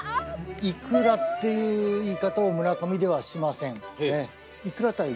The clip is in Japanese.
イクラという言い方を村上ではしません。